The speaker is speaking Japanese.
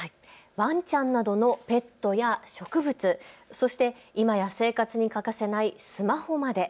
ワンちゃんなどのペットや植物、そして今や生活に欠かせないスマホまで。